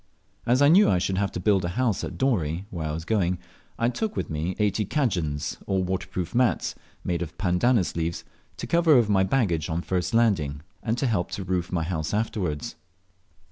As I knew I should have to build a house at Dorey, where I was going, I took with me eighty cadjans, or waterproof mats, made of pandanus leaves, to cover over my baggage on first landing, and to help to roof my house afterwards.